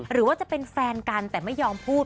หรือว่าจะเป็นแฟนกันแต่ไม่ยอมพูด